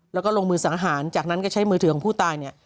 แล้วก็ลงมือสังหารจากนั้นก็ใช้มือถือของผู้ตายเนี่ย